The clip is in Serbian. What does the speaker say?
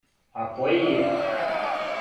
А који је?